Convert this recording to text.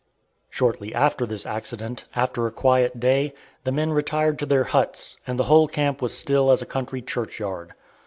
Shortly after this accident, after a quiet day, the men retired to their huts, and the whole camp was still as a country church yard.